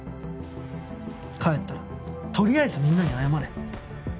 帰ったらとりあえずみんなに謝れ。